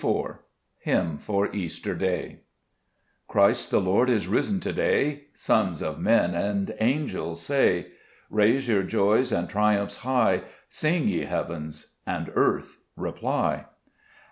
24 Dgmn fou Easter=S>ap* CHRIST the Lord is risen to day," Sons of men and angels say : Raise your joys and triumphs high ; Sing, ye heavens, and earth, reply.